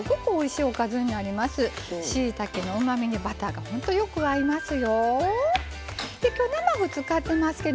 しいたけのうまみにバターが本当に、よく合いますよ。